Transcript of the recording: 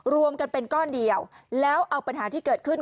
รวมกันเป็นก้อนเดียวแล้วเอาปัญหาที่เกิดขึ้น